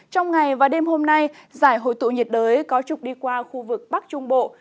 trong ngày và đêm hôm nay giải hội tụ nhiệt đới có trục đi qua khu vực bắc trung bộ